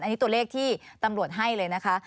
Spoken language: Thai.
อันนี้ตัวเลขที่ตำรวจให้เลยนะคะ